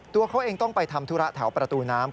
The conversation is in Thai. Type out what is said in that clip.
ตัวเขาเองต้องไปทำธุระแถวประตูน้ำ